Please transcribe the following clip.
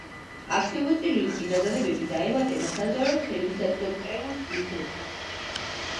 აქ შემოწირული წინადადებები დაემატება საჯაროდ ხელმისაწვდომ კრებულს ლიცენზიით.